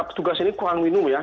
petugas ini kurang minum ya